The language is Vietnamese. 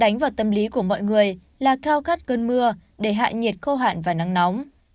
đánh vào tâm lý của mọi người là cao gắt cơn mưa để hạ nhiệt khô hạn và nắng nóng